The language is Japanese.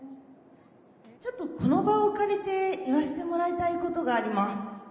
ちょっとこの場を借りて言わせてもらいたいことがあります。